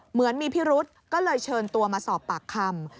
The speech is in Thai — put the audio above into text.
เหมือนมีพิรุษก็เลยเชิญตัวมาสอบปากคำ